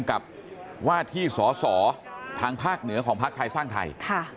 กับว่าที่สอสอทางภาคเหนือของพักไทยสร้างไทย